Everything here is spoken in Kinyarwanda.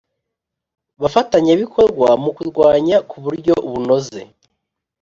bafatanyabikorwa mu kurwanya ku buryo bunoze